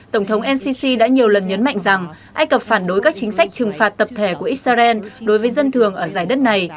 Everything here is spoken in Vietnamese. tổng thống ncc đã nhiều lần nhấn mạnh rằng ai cập phản đối các chính sách trừng phạt tập thể của israel đối với dân thường ở giải đất này